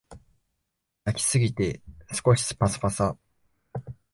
焼きすぎて少しパサパサ